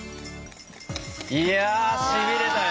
いやしびれたよ。